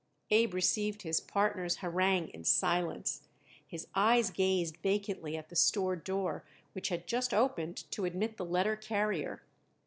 Abe received his partner's harangue in silence. His eyes gazed vacantly at the store door, which had just opened to admit the letter carrier.